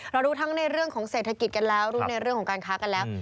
รู้ทั้งในเรื่องของเศรษฐกิจกันแล้วรู้ในเรื่องของการค้ากันแล้ว